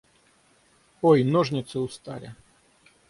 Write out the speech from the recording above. Ой, ножницы устали!